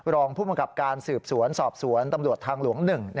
รองผู้บังคับการสืบสวนสอบสวนตำรวจทางหลวง๑